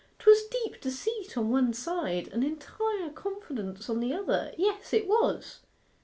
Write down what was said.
''Twas deep deceit on one side, and entire confidence on the other yes, it was!